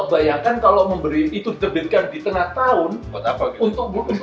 bayangkan kalau itu diterbitkan di tengah tahun untuk bulan